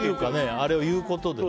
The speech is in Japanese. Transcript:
あれを言うことでね。